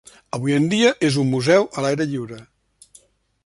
Avui en dia és un museu a l"aire lliure.